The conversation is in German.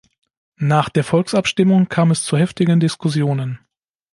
Nach der Volksabstimmung kam es zu heftigen Diskussionen.